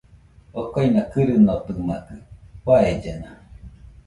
Okaina kɨrɨnotɨmakɨ, faellena